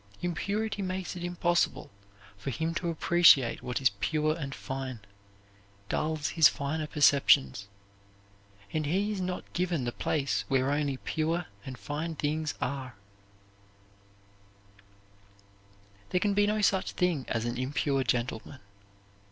Impurity makes it impossible for him to appreciate what is pure and fine, dulls his finer perceptions, and he is not given the place where only pure and fine things are. [Illustration: Helen Keller] There can be no such thing as an impure gentleman.